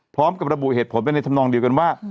พร้อมกับระบุเหตุผลไปในธรรมนองเดียวกันว่า